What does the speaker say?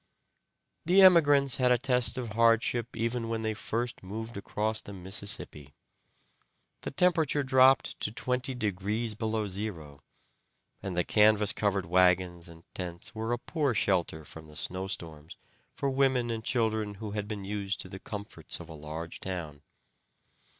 The emigrants had a test of hardship even when they first moved across the Mississippi. The temperature dropped to twenty degrees below zero, and the canvas covered wagons and tents were a poor shelter from the snow storms for women and children who had been used to the comforts of a large town.